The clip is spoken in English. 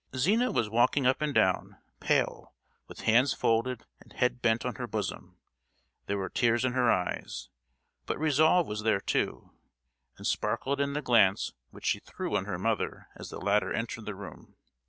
Zina was walking up and down, pale, with hands folded and head bent on her bosom: there were tears in her eyes, but Resolve was there too, and sparkled in the glance which she threw on her mother as the latter entered the room.